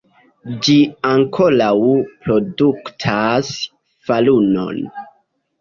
Ĝi ankoraŭ produktas farunon.